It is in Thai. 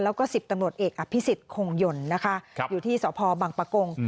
แล้วก็๑๐ตำรวจเอกอภิษฎคงหย่นนะคะอยู่ที่สพบังปะกง